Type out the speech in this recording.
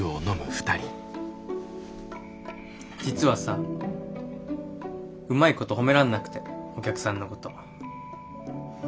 実はさうまいこと褒めらんなくてお客さんのこと。